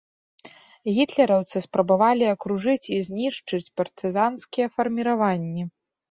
Гітлераўцы спрабавалі акружыць і знішчыць партызанскія фарміраванні.